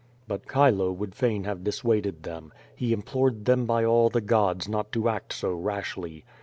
'' But Chilo would fain have dissuaded them. He implored them by all the gods not to act so rashly.